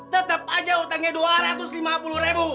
tetap aja utangnya dua ratus lima puluh ribu